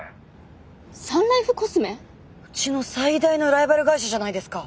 うちの最大のライバル会社じゃないですか。